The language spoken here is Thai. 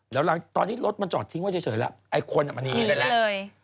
แล้วตอนนี้รถมันจอดทิ้งไว้เฉยแล้วไอ้คนมันอีกเลย